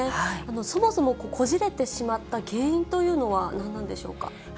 そもそもこじれてしまった原因というのは何なんでしょうか。